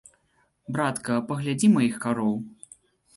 Братка, паглядзі маіх кароў.